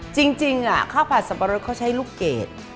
จริงข้าวผัดสับปะรดเขาใช้ลูกเกด